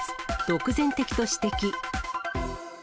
独善的と指摘。